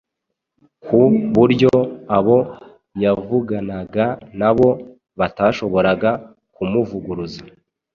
ku buryo abo yavuganaga na bo batashoboraga kumuvuguruza.